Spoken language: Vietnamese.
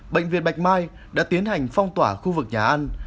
bệnh viện bạch mai đã tiến hành phong tỏa khu vực nhà ăn